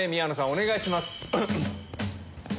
お願いします。